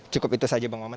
cukup itu saja bang oman